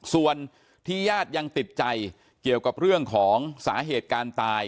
ส่วนที่ญาติยังติดใจเกี่ยวกับเรื่องของสาเหตุการตาย